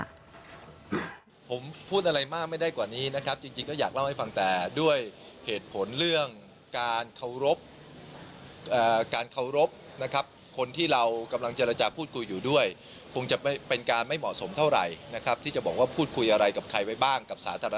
อ่าคุณผู้ชมค่ะส่วนที่เรือนจำพิเศษกรุงเทียมมหานคร